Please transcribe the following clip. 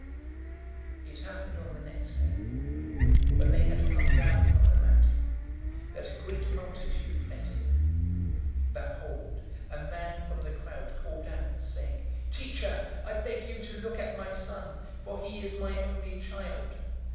009:037 It happened on the next day, when they had come down from the mountain, that a great multitude met him. 009:038 Behold, a man from the crowd called out, saying, "Teacher, I beg you to look at my son, for he is my only child.